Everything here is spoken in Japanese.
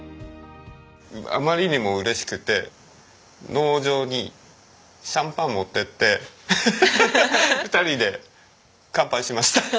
あまりにも嬉しくて農場にシャンパン持っていって２人で乾杯しました。